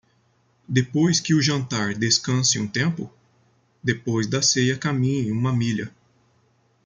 Depois que o jantar descanse um tempo? depois da ceia caminhe uma milha.